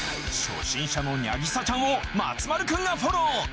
初心者のニャぎさちゃんを松丸くんがフォロー！